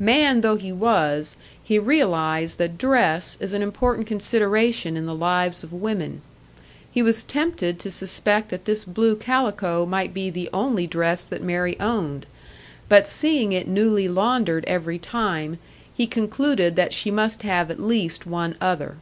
Man though he was, he realised that dress is an important consideration in the lives of women. He was tempted to suspect that this blue calico might be the only dress that Mary owned; but seeing it newly laundered every time, he concluded that she must have at least one other.